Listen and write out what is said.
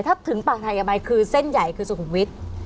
ถ้าถึงปากไทยยังไงคือเส้นใหญ่คือสุขุมวิทย์